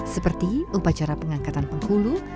seperti upacara pengangkatan penghulu